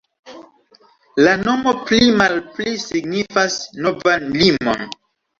La nomo pli-malpli signifas "novan limon".